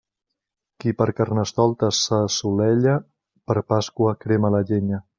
Qui per Carnestoltes s'assolella, per Pasqua crema la llenya.